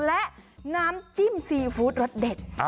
และน้ำจิ้มซีฟู้ดรสเด็ด